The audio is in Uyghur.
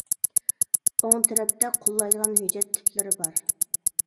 ئوڭ تەرەپتە قوللايدىغان ھۆججەت تىپلىرى بار.